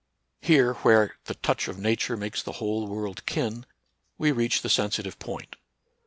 Here, where the " touch of Nature makes the whole world kin," we reach the sensitive point.